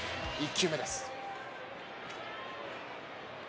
１球目です。